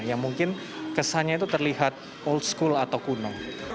yang mungkin kesannya itu terlihat old school atau kuno